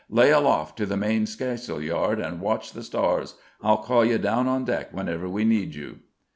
Lay aloft to the main skysail yard and watch the stars! I'll call you down on deck whenever we need you!"